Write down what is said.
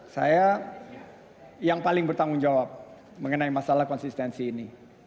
saya yang paling bertanggung jawab mengenai masalah konsistensi ini